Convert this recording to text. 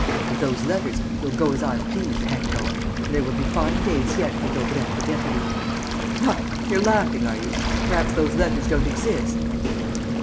With those letters, you'll go as I please, hang it all, and there will be fine days yet for Daubrecq the deputy! What! You're laughing, are you? Perhaps those letters don't exist?"